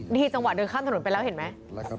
นี่ที่สังวัติเดินข้ามถนนไปแล้วเห็นไหม